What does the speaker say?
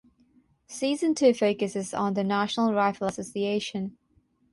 Season two focuses on the National Rifle Association.